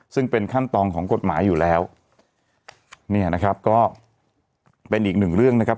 ซึ่งเป็นขั้นตอนของกฎหมายอยู่แล้วเนี่ยนะครับก็เป็นอีกหนึ่งเรื่องนะครับ